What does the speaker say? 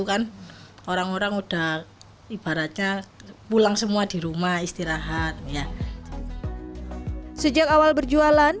kan orang orang udah ibaratnya pulang semua di rumah istirahat ya sejak awal berjualan